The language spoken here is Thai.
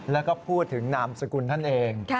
แล้วก็พูดถึงนามสกุลท่านเอง